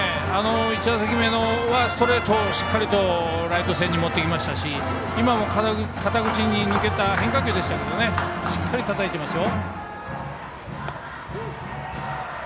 １打席目はストレートをしっかりとライト線に持っていきましたし今も肩口に抜けた変化球でしたがしっかりとたたけていますよ。